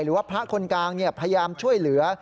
หรือว่าพระคนกลางพยายามช่วยเหลือ